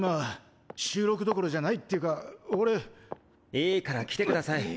いいから来てください。